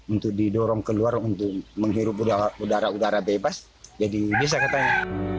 untuk didorong keluar untuk menghirup udara udara bebas jadi bisa katanya